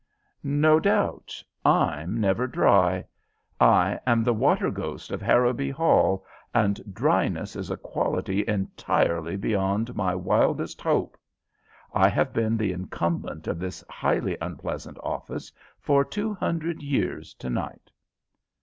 "No doubt. I'm never dry. I am the Water Ghost of Harrowby Hall, and dryness is a quality entirely beyond my wildest hope. I have been the incumbent of this highly unpleasant office for two hundred years to night."